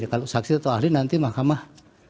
kalau saksi atau ahli nanti mahkamah